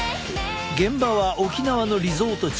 現場は沖縄のリゾート地。